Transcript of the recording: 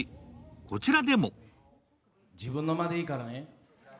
こちらでも自分の間でいいからね。